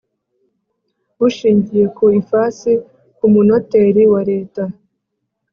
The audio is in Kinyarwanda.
bushingiye ku ifasi ku munoteri wa Leta